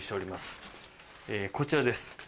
こちらです